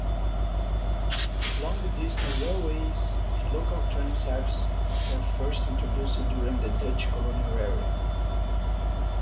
Long-distance railways and local tram services were first introduced during the Dutch colonial era.